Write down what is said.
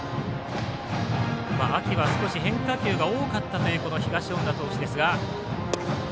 秋は少し変化球が多かったという東恩納投手ですが。